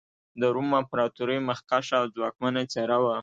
د روم امپراتورۍ مخکښه او ځواکمنه څېره وه.